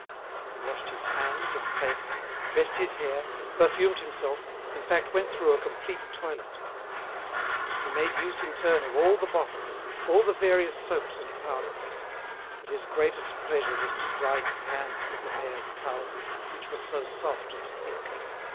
He washed his hands and face, dressed his hair, perfumed himself, in fact went through a complete toilet. He made use in turn of all the bottles, all the various soaps and powders; but his greatest pleasure was to dry his hands with the mayor's towels, which were so soft and thick.